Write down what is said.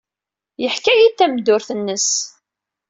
Yeḥka-iyi-d tameddurt-nnes.